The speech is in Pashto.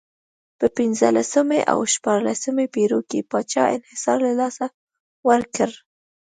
په پنځلسمې او شپاړسمې پېړیو کې پاچا انحصار له لاسه ورکړ.